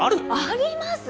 あります！